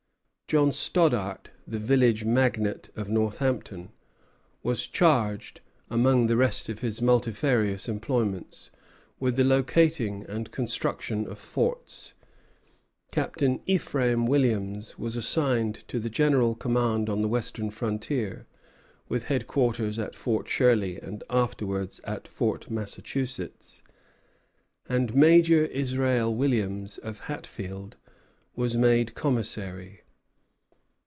John Stoddard, the village magnate of Northampton, was charged, among the rest of his multifarious employments, with the locating and construction of forts; Captain Ephraim Williams was assigned to the general command on the western frontier, with headquarters at Fort Shirley and afterwards at Fort Massachusetts; and Major Israel Williams, of Hatfield, was made commissary.